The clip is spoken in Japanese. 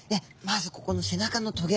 まずここの背中の棘。